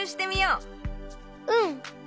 うん。